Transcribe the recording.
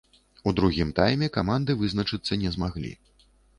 У другім тайме каманды вызначыцца не змаглі.